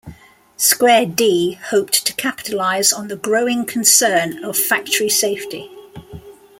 Square D hoped to capitalize on the growing concern of factory safety.